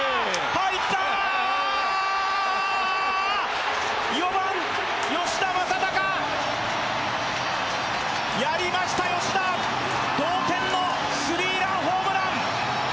入ったー４番吉田正尚やりました吉田同点のスリーランホームラン